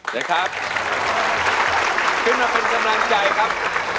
นะครับขึ้นมาเป็นกำลังใจครับ